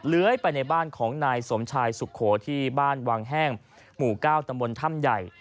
ไปในบ้านของนายสมชายสุโขที่บ้านวังแห้งหมู่๙ตำบลถ้ำใหญ่